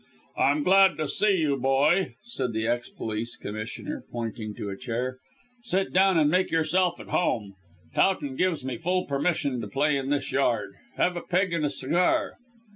"I'm glad to see you, boy," said the ex police commissioner, pointing to a chair. "Sit down and make yourself at home. Towton gives me full permission to play in this yard. Have a peg and a cigar."